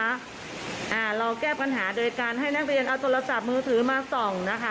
อ่าเราแก้ปัญหาโดยการให้นักเรียนเอาโทรศัพท์มือถือมาส่องนะคะ